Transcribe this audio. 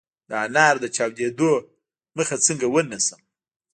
د انارو د چاودیدو مخه څنګه ونیسم؟